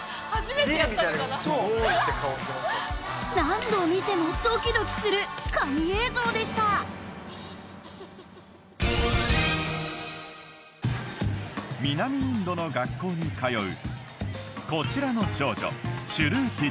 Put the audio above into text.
何度見てもドキドキする神映像でした南インドの学校に通うこちらの少女